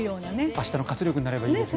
明日の活力になればいいですね。